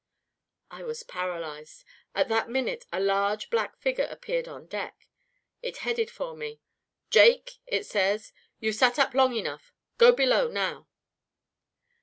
"I was paralyzed. At that minute a large black figure appeared on deck. It headed for me. 'Jake,' it says, 'you've sat up long enough. Go below now.'